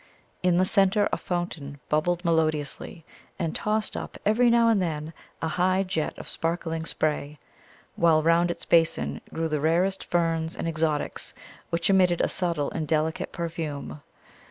In the centre a fountain bubbled melodiously, and tossed up every now and then a high jet of sparkling spray, while round its basin grew the rarest ferns and exotics, which emitted a subtle and delicate perfume.